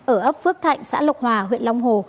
ở ấp phước thạnh xã lộc hòa huyện long hồ